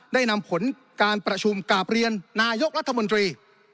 ได้นำผลการประชุมกราบเรียนนายกรัฐมนตรี